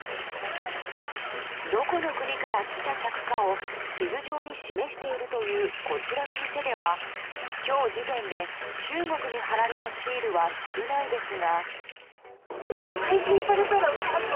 どこの国から来た客かを地図上に示しているというこちらの店では、今日時点で中国に貼られたシールは少ないですが。